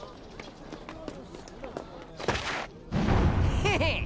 ヘヘッ！